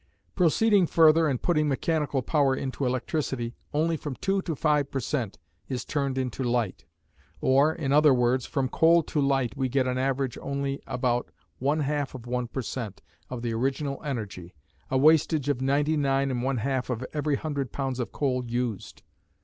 Proceeding further and putting mechanical power into electricity, only from 2 to 5 per cent. is turned into light; or, in other words, from coal to light we get on an average only about one half of 1 per cent. of the original energy, a wastage of ninety nine and one half of every hundred pounds of coal used.